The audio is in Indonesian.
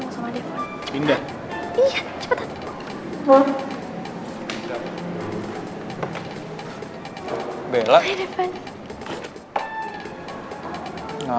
asyik eta pengangguran terus balik ajaknya tayang the pun